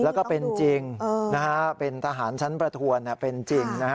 แล้วก็เป็นจริงเป็นทหารชั้นประทวนเป็นจริงนะฮะ